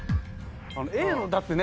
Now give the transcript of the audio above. Ａのだってね